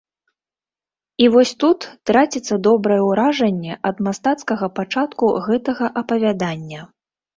І вось тут траціцца добрае ўражанне ад мастацкага пачатку гэтага апавядання.